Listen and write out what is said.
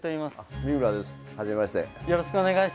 よろしくお願いします。